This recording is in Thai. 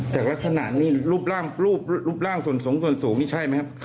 แต่ลักษณะนี่รูปร่างส่วนสูงส่วนสูงนี่ใช่ไหมครับ